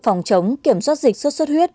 phòng chống kiểm soát dịch suốt suốt huyết